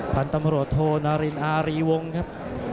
พันธุ์ตำรวจโทนารินอารีวงครับ